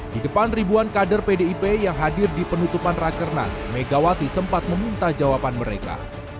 di depan ribuan kader pdip yang hadir di penutupan rakernas megawati sempat meminta jawaban mereka